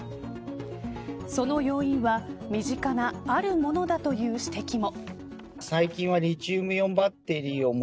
その要因は身近なあるものだという指摘も。